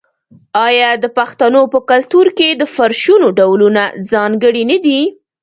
آیا د پښتنو په کلتور کې د فرشونو ډولونه ځانګړي نه دي؟